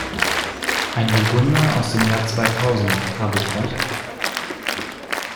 Ein Burgunder aus dem Jahr zweitausend, habe ich recht?